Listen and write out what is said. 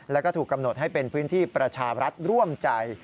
แล้วก็ถูกกำหนดให้เป็นพื้นที่ประชารัฐร่วมใจ